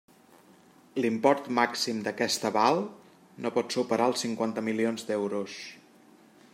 L'import màxim d'aquest aval no pot superar els cinquanta milions d'euros.